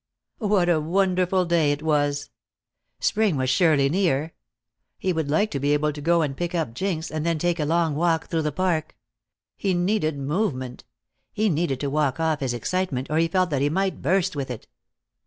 What a wonderful day it was! Spring was surely near. He would like to be able to go and pick up Jinx, and then take a long walk through the park. He needed movement. He needed to walk off his excitement or he felt that he might burst with it.